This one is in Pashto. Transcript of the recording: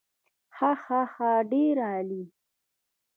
هاهاها ډېر عالي.